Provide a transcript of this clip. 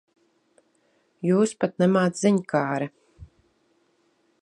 Jūs pat nemāc ziņkāre.